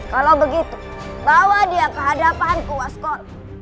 kalau begitu bawa dia ke hadapanku waskol